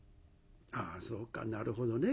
ああそうかなるほどね。